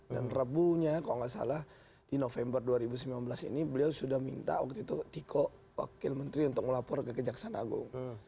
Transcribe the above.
dan rebunya kalau gak salah di november dua ribu sembilan belas ini beliau sudah minta waktu itu tiko wakil menteri untuk melapor ke kejaksaan agung